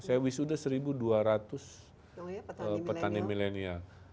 saya wisuda seribu dua ratus petani milenial